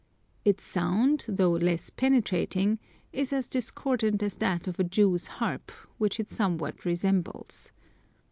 Its sound, though less penetrating, is as discordant as that of a Jew's harp, which it somewhat resembles.